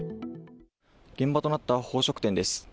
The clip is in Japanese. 現場となった宝飾店です。